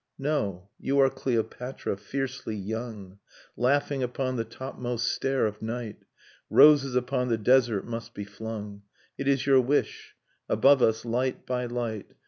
No, you are Cleopatra, fiercely young. Laughing upon the topmost stair of night; Roses upon the desert must be flung. It is your wish. . .Above us, light by light.